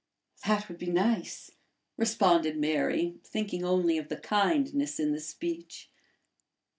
"That would be nice!" responded Mary, thinking only of the kindness in the speech.